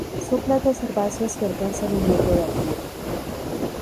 Son plantas herbáceas que alcanzan un metro de altura.